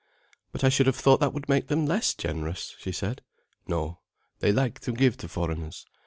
"But I should have thought that would make them less generous," she said. "No. They like to give to foreigners.